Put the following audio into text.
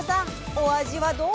お味はどう？